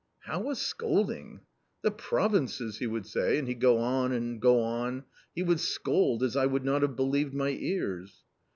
" How a scolding ?"" The provinces !" he would say, and he'd go on and go on .... he would scold as I would not have believed my ears."